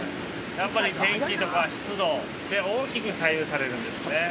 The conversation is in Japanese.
◆やっぱり天気とか湿度で大きく左右されるんですね。